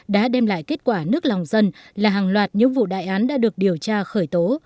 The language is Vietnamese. đã đem lại kết quả nước lòng dân là hàng loạt những vụ đại án đã được điều tra khởi tố